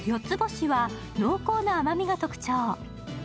つぼしは、濃厚な甘みが特徴。